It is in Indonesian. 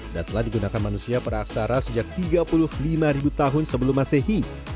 dan telah digunakan manusia para aksara sejak tiga puluh lima tahun sebelum masehi